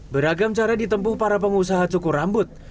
beragam cara ditempuh para pengusaha cukur rambut